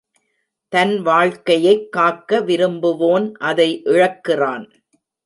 தன் வாழ்க்கையைக் காக்க விரும்புவோன், அதை இழக்கிறான்.